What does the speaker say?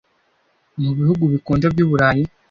mu bihugu bikonja by’u Burayi